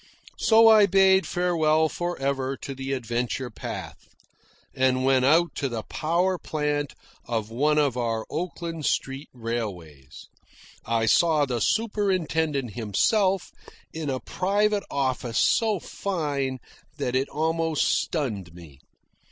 So I bade farewell for ever to the adventure path, and went out to the power plant of one of our Oakland street railways. I saw the superintendent himself, in a private office so fine that it almost stunned me.